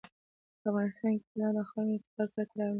په افغانستان کې طلا د خلکو د اعتقاداتو سره تړاو لري.